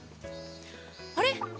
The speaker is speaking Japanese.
あれ？